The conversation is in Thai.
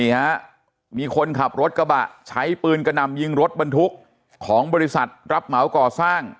ฮะมีคนขับรถกระบะใช้ปืนกระนำยิงรถบรรทุกของบริษัทรับเหมาก่อสร้าง